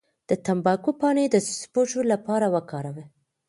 د تمباکو پاڼې د سپږو لپاره وکاروئ